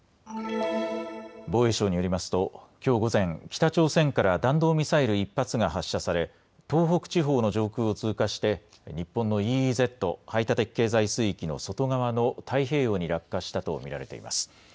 防衛省によりますときょう午前、北朝鮮から弾道ミサイル１発が発射され東北地方の上空を通過して日本のＥＥＺ・排他的経済水域の外側の太平洋に落下したと見られています。